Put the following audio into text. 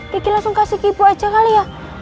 kiki langsung kasih ke ibu aja kali ya